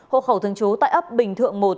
hộ khẩu thường chú tại ấp bình thượng một